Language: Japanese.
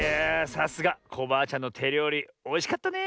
さすがコバアちゃんのてりょうりおいしかったねえ。